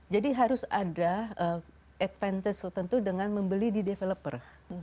jadi harus ada advantage tentu dengan membeli di developer